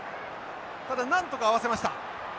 ただなんとか合わせました。